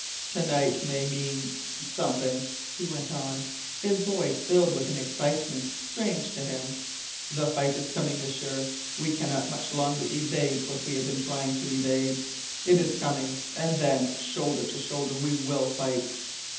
"To night may mean something," he went on, his voice filled with an excitement strange to him. "The fight is coming, M'sieur. We cannot much longer evade what we have been trying to evade! It is coming. And then, shoulder to shoulder, we will fight!"